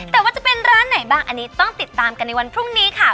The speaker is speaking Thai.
แต่ว่าจะเป็นร้านไหนบ้างอันนี้ต้องติดตามกันในวันพรุ่งนี้ค่ะ